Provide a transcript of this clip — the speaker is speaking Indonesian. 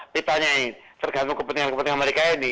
ditanyai tergantung kepentingan kepentingan mereka ini